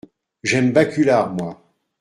J’aime Baculard, moi !